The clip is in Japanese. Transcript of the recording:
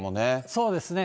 そうですね。